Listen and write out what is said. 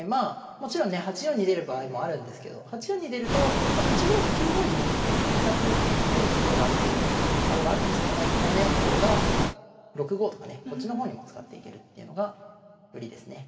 もちろんね８四に出る場合もあるんですけど８四に出るとまあ８五と９五にね２つ出る所があるというあれはあるんですけども７四の方が６五とかねこっちの方にも使っていけるっていうのが売りですね。